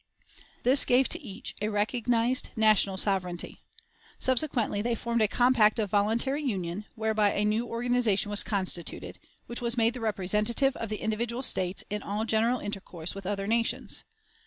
This gave to each a recognized national sovereignty. Subsequently they formed a compact of voluntary union, whereby a new organization was constituted, which was made the representative of the individual States in all general intercourse with other nations.